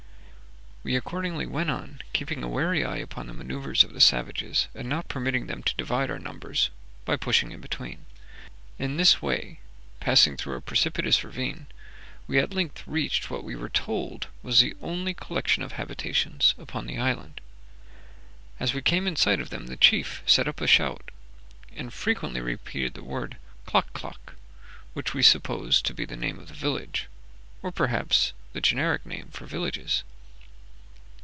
We accordingly went on, keeping a wary eye upon the manoeuvres of the savages, and not permitting them to divide our numbers by pushing in between. In this way, passing through a precipitous ravine, we at length reached what we were told was the only collection of habitations upon the island. As we came in sight of them, the chief set up a shout, and frequently repeated the word Klock klock, which we supposed to be the name of the village, or perhaps the generic name for villages.